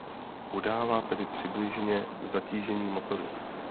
Udává tedy přibližně zatížení motoru.